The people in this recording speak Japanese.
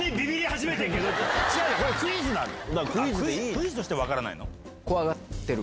クイズとして分からないの？